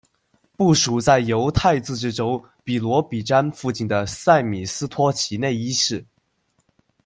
部署在犹太自治州比罗比詹附近的塞米斯托齐内伊市。